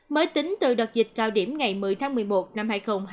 mới tính từ đợt dịch cao điểm ngày một mươi tháng một mươi một năm hai nghìn hai mươi